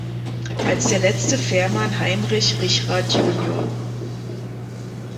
Als der letzte Fährmann Heinrich Richrath jun.